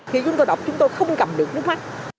thì chúng tôi đọc chúng tôi không cầm được nước mắt